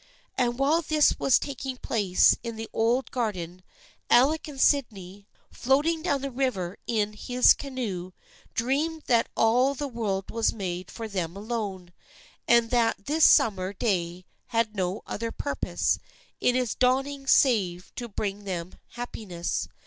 And while this was taking place in the old gar den, Alec and Sydney, floating down the river in his canoe, dreamed that all the world was made for them alone, and that this summer day had no other purpose in its dawning save to bring them happiness.